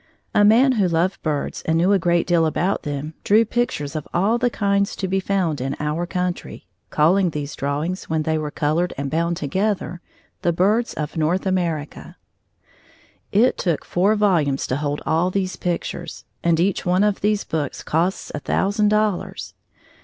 A man who loved birds and knew a great deal about them drew pictures of all the kinds to be found in our country, calling these drawings, when they were colored and bound together The Birds of North America. It took four volumes to hold all these pictures, and each one of these books costs a thousand dollars.